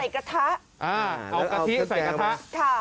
กะทิใส่กระทะ